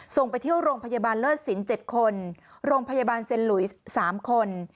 ส่งไปที่โรงพยาบาลเลิศสิน๗คนโรงพยาบาลเซ็นหลุย๓คน